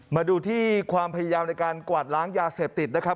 มาดูที่ความพยายามในการกวาดล้างยาเสพติดนะครับ